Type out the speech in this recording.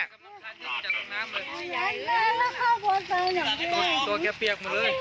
ตัวแกเปียกมาเลย